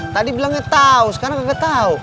tadi bilangnya tau sekarang gak tau